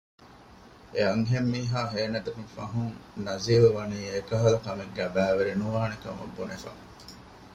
އެއަންހެންމީހާ ހޭނެތުނުފަހުން ނަޒީލްވަނީ އެކަހަލަ ކަމެއްގައި ބައިވެރި ނުވާނެކަމަށް ބުނެފަ